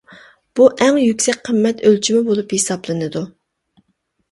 بۇ ئەڭ يۈكسەك قىممەت ئۆلچىمى بولۇپ ھېسابلىنىدۇ.